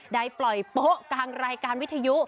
ได้ปล่อยโป๊ะกลางรายการวิทยุ